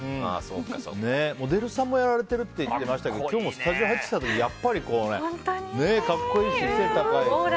モデルさんもやられてるっていってましたけど今日もスタジオ入ってきた時やっぱり格好いいですよね